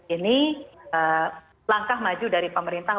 ini langkah maju dari pemerintah